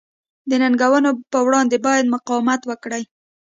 د ننګونو پر وړاندې باید مقاومت وکړي.